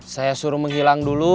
saya suruh menghilang dulu